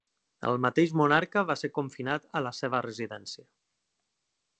El mateix monarca va ser confinat a la seva residència.